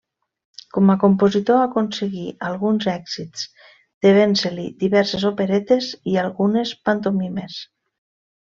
Com a compositor aconseguí alguns èxits, devent-se-li diverses operetes i algunes pantomimes.